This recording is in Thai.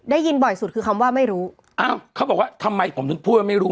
ได้ยินบ่อยสุดคือคำว่าไม่รู้อ้าวเขาบอกว่าทำไมผมถึงพูดว่าไม่รู้